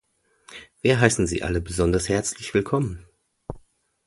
Wir heißen Sie alle besonders herzlich willkommen.